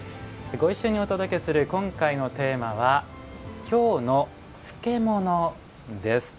ご一緒にお届けする今回のテーマは「京の漬物」です。